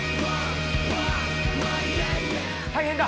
大変だ。